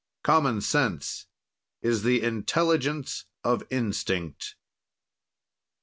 "Common sense is the intelligence of instinct."